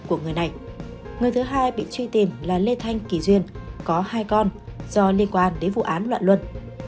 của người này người thứ hai bị truy tìm là lê thanh kỳ duyên có hai con do liên quan đến vụ án loạn luân